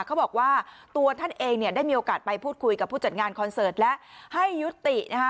เขาบอกว่าตัวท่านเองเนี่ยได้มีโอกาสไปพูดคุยกับผู้จัดงานคอนเสิร์ตและให้ยุตินะคะ